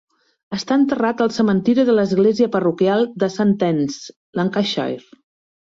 Està enterrat al cementiri de l'Església Parroquial de Sant Annes, Lancashire.